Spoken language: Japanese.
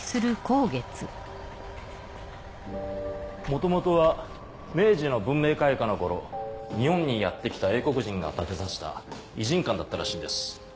元々は明治の文明開化の頃日本にやって来た英国人が建てさした異人館だったらしいんです。